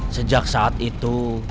sejak saat itu